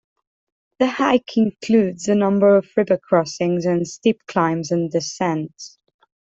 The hike includes a number of river crossings and steep climbs and descents.